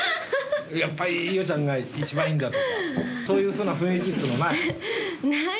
やっぱり、伊代ちゃんが一番いいんだとか、そういうふうな雰囲気っていうのない？